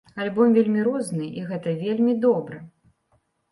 Альбом вельмі розны і гэта вельмі добра!